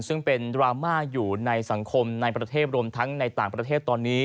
ซึ่งเป็นดราม่าอยู่ในสังคมในประเทศรวมทั้งในต่างประเทศตอนนี้